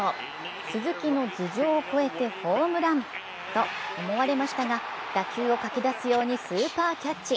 鈴木の頭上を越えてホームランと思われましたが打球をかき出すようにスーパーキャッチ。